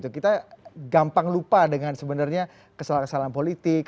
kita gampang lupa dengan sebenarnya kesalahan kesalahan politik